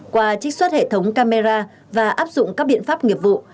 qua trích xuất hệ thống camera và áp dụng các biện pháp nghiệp vụ